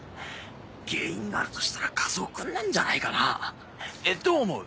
原因があるとしたら和男君なんじゃないかな？えっどう思う？